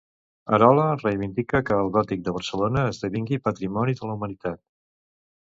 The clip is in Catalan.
Arola reivindica que el gòtic de Barcelona esdevingui patrimoni de la humanitat.